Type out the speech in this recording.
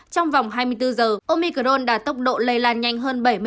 trong vòng hai mươi bốn giờ omicron đã tốc độ lây lan nhanh hơn